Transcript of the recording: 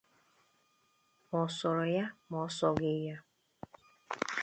ma ọ sọrọ ya ma ọ sọghị ya